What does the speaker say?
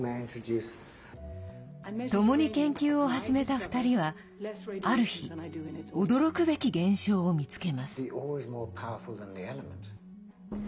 ともに研究を始めた２人はある日驚くべき現象を見つけます。